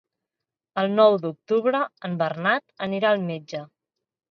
El nou d'octubre en Bernat anirà al metge.